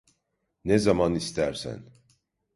Ne zaman istersen.